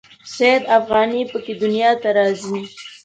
سید افغاني په کې دنیا ته راځي.